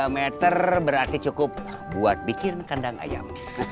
dua meter berarti cukup buat bikin kandang ayam